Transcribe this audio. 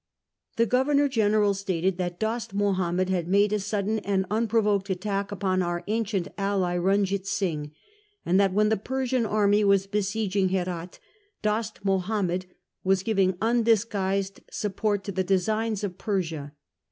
Tie Governor General stated that Dost Mahomed had made a sudden and unpro voked attack upon our ancient ally, Runjeet Singh, and that when the Persian army was besieging Herat Dost Mahomed was giving undisguised support to the designs of Persia.